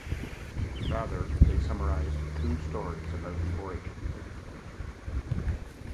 Rather, they summarize two stories about the origin.